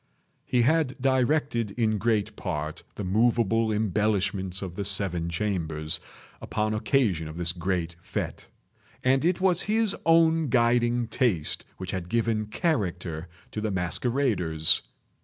He had directed, in great part, the moveable embellishments of the seven chambers, upon occasion of this great fête; and it was his own guiding taste which had given character to the masqueraders.